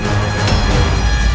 aku akan melawan